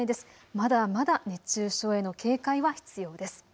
まだまだ熱中症への警戒は必要です。